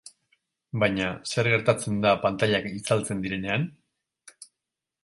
Baina, zer gertatzen da pantailak itzaltzen direnean?